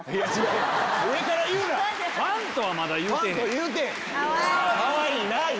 ⁉ファンとはまだ言うてへん。